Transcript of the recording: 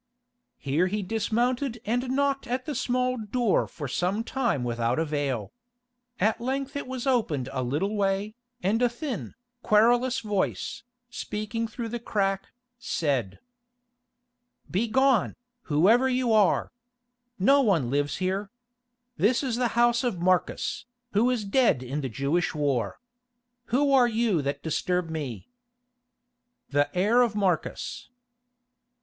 Here he dismounted and knocked at the small door for some time without avail. At length it was opened a little way, and a thin, querulous voice, speaking through the crack, said: "Begone, whoever you are. No one lives here. This is the house of Marcus, who is dead in the Jewish war. Who are you that disturb me?" "The heir of Marcus."